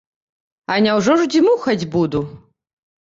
А няўжо ж дзьмухаць буду?